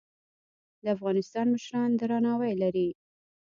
د افغانستان مشران درناوی لري